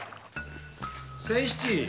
仙七！